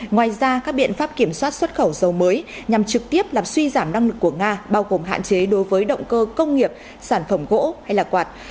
ngoài ra các biện pháp kiểm soát xuất khẩu dầu mới nhằm trực tiếp làm suy giảm năng lực của nga bao gồm hạn chế đối với động cơ công nghiệp sản phẩm gỗ hay là quạt